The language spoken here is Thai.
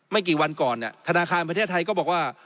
ไม่กี่วันก่อนธนาคารประเทศไทยก็บอกว่า